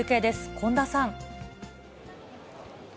今田さん。